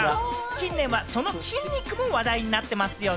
近年はその筋肉も話題になってますよね。